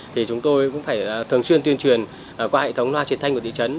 thì chúng tôi cũng phải thường xuyên tuyên truyền qua hệ thống loa truyền thanh của thị trấn